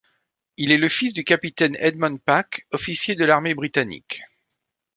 Il est le fils du capitaine Edmond Packe, officier de l'armée britannique.